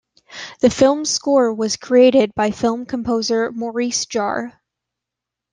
The film's score was created by film composer Maurice Jarre.